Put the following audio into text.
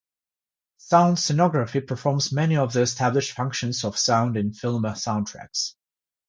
Sound scenography performs many of the established functions of sound in film soundtracks.